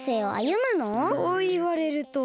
そういわれると。